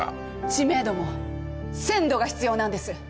知名度も鮮度が必要なんです。